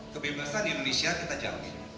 kebebasan di indonesia kita jangkik